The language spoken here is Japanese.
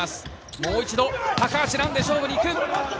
もう一度、高橋藍で勝負にいく。